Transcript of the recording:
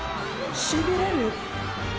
しびれる！！